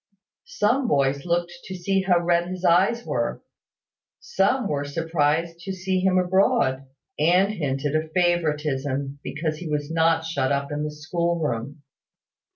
Some boys looked to see how red his eyes were: some were surprised to see him abroad, and hinted a favouritism because he was not shut up in the school room.